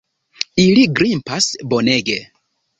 Ili grimpas bonege.